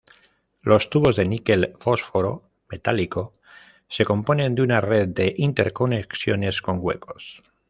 Los tubos de níquel-fósforo metálico se componen de una red de interconexiones con huecos.